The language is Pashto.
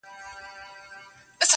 نازولي د خالق یو موږ غوثان یو -